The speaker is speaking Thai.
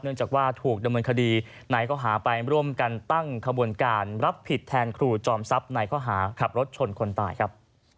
จากว่าถูกดำเนินคดีในข้อหาไปร่วมกันตั้งขบวนการรับผิดแทนครูจอมทรัพย์ในข้อหาขับรถชนคนตายครับ